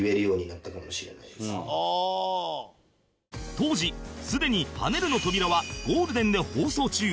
当時すでに『はねるのトびら』はゴールデンで放送中